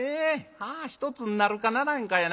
１つになるかならんかやな